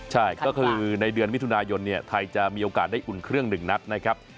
ใช่ก็คือในเดือนมิถุนายนไทยจะมีโอกาสได้อุ่นเครื่อง๑นัดนะครับ